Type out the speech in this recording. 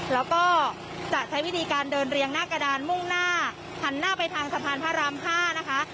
แล้วก็จะใช้วิธีการเดินเรียงหน้ากระดานมุ่งหน้าหันหน้าไปทางสะพานพระราม๕นะคะ